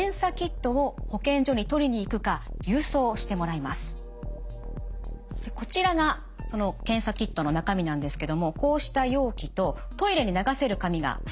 そして事前にこちらがその検査キットの中身なんですけどもこうした容器とトイレに流せる紙が２つずつ入っています。